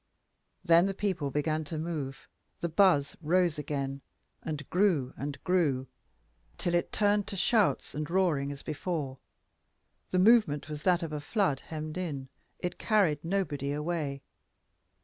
Then the people began to move, the buzz rose again, and grew, and grew, till it turned to shouts and roaring as before. The movement was that of a flood hemmed in; it carried nobody away.